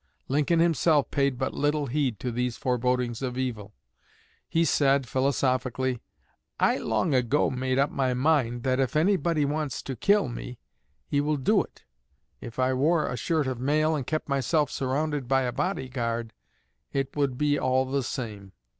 Lincoln himself paid but little heed to these forebodings of evil. He said, philosophically: "I long ago made up my mind that if anybody wants to kill me, he will do it. If I wore a shirt of mail and kept myself surrounded by a bodyguard, it would be all the same.